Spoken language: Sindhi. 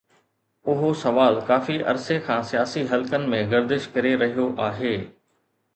اهو سوال ڪافي عرصي کان سياسي حلقن ۾ گردش ڪري رهيو آهي.